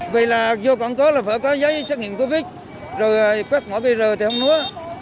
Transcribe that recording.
vì là vô còn có là phải có giấy xét nghiệm covid rồi quét mở bây giờ thì không nữa